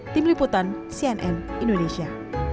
tim liputan cnn indonesia